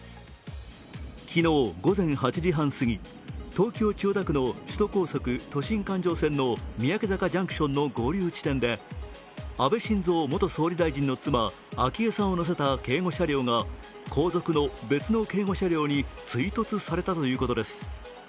昨日午前８時半すぎ、東京・千代田区の首都高速都心環状線の三宅坂ジャンクションの合流地点で安倍晋三元総理大臣の妻、昭恵さんを乗せた警護車両が後続の別の警護車両に追突されたということです。